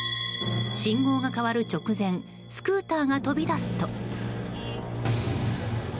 信号が変わる直前スクーターが飛び出すと。